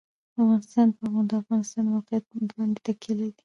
افغانستان په د افغانستان د موقعیت باندې تکیه لري.